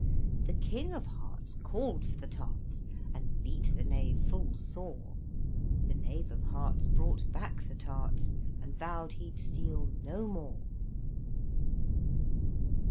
The King of Hearts called for the tarts, And beat the Knave full sore; The Knave of Hearts brought back the tarts, And vowed he'd steal no more.